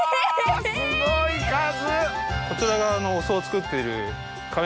こちらがお酢を作っている。